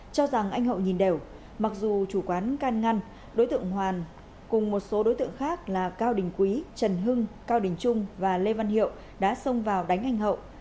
cho rằng anh hậu nhìn đều mặc dù chủ quán can ngăn đối tượng hoàn cùng một số đối tượng khác là cao đình quý trần hưng cao đình trung và lê văn hiệu đã xông vào đánh anh hậu